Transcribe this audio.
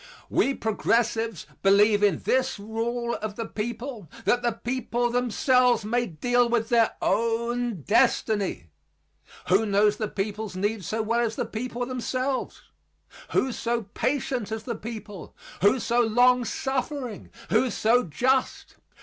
We progressives believe in this rule of the people that the people themselves may deal with their own destiny. Who knows the people's needs so well as the people themselves? Who so patient as the people? Who so long suffering, who so just?